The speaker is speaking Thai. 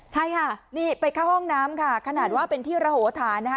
ใช่ค่ะนี่ไปเข้าห้องน้ำค่ะขนาดว่าเป็นที่ระโหฐานนะคะ